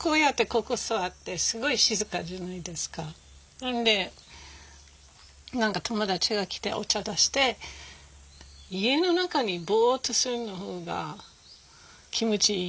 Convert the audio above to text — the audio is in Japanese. なので何か友達が来てお茶出して家の中でボッとするのが気持ちいいのね。